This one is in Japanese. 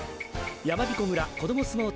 やまびこ村こどもすもう